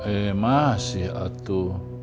eh masih atau